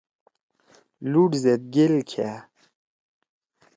لُوڑ زید گیل کھأ۔